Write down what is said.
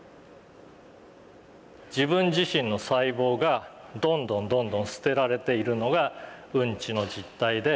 自分自身の細胞がどんどんどんどん捨てられているのがうんちの実体で。